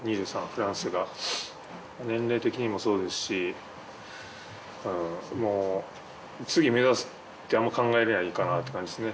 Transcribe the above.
フランスが年齢的にもそうですしうんもう次目指すってあんま考えれないかなって感じっすね